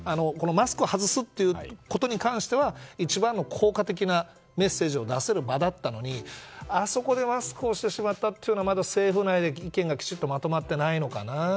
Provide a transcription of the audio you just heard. マスクを外すということに関しては一番効果的なメッセージを出せる場だったのに、あそこでマスクをしてしまったのはまだ政府内で意見がきちんとまとまってないのかなと。